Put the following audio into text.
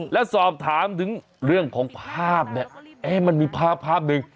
แล้วสอบถามถึงเรื่องของภาพเนี่ยเอ๊ะมันมีภาพภาพหนึ่ง